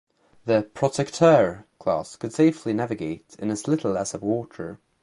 The "Protecteur" class could safely navigate in as little as of water.